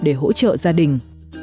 để hỗ trợ gia đình